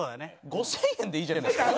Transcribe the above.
５０００円でいいじゃないですか。